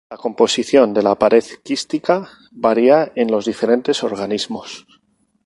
La composición de la pared quística varía en los diferentes organismos.